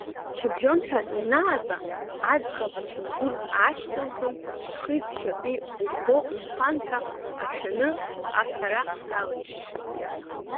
Шьыбжьон ҳәа ианаатәа, аӡӷаб ачамгәыр аашьҭылхын, зхи зшьапи умбо умфан ҳәа ашәаны аҳәара далагеит.